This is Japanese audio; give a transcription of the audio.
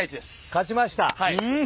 勝ちました。